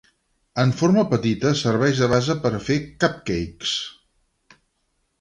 En forma petita, serveix de base per a fer cupcakes.